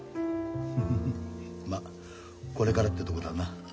フフフッまっこれからってとこだな。